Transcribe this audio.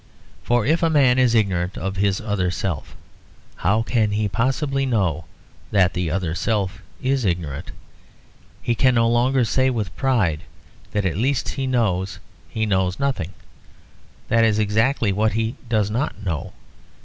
For if a man is ignorant of his other self, how can he possibly know that the other self is ignorant? He can no longer say with pride that at least he knows that he knows nothing. That is exactly what he does not know.